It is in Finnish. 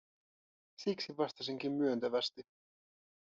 Siksi vastasinkin myöntävästi: